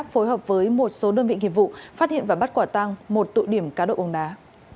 phối hợp với một số đơn vị nghiệp vụ phát hiện và bắt quả tăng một tụ điểm cá độ bóng đá